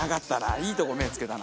いいとこ目ぇ付けたな。